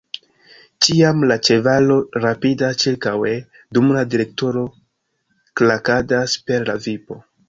Ĉiam la ĉevalo rapidas ĉirkaŭe, dum la direktoro klakadas per la vipo.